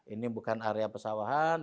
ini bukan area pesawahan